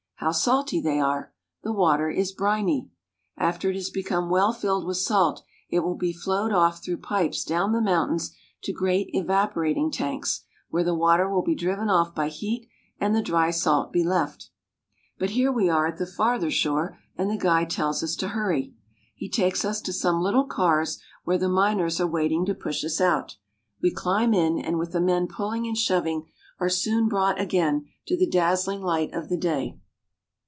How salty they are! The water is briny ! After it has become well filled with salt it will be flowed off through pipes down the mountains to 278 THE UPPER DANUBE. great evaporating tanks, where the water will be driven off by heat and the dry salt be left But here we are at the farther shore and the guide tells us to hurry. He takes us to some little cars where the miners are waiting to push us out We climb in, and with the men pulling and shoving are soon brought again out to the dazzling light of day.